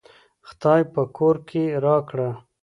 خداى په کور کې راکړه